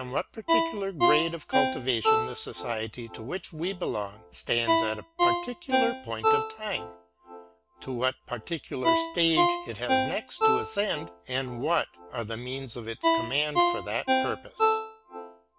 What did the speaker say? what particular grade of cultivation the society to which we belong stands at a particular point of time; — to what particular stage it has next to ascend, and what are the means at its command for that purpose.